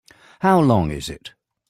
How long is it?